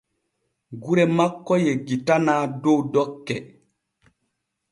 Gure makko yeggitanaa dow dokke.